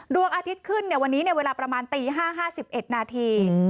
ดวงอาทิตย์ขึ้นวันนี้ในเวลาประมาณตี๕๕๑นาที